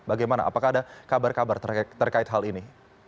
bagaimana apakah ada kabar kabar terkait hal ini